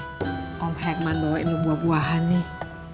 eh om herman bawain lu buah buahan nih